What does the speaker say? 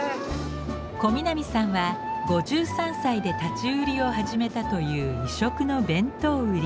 小南さんは５３歳で立ち売りを始めたという異色の弁当売り。